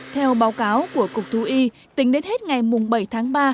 theo báo cáo của cục thú y tính đến hết ngày bảy tháng ba